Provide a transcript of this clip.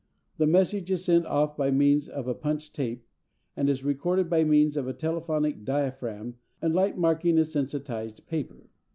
The message is sent off by means of a punched tape, and is recorded by means of a telephonic diaphragm and light marking a sensitised paper.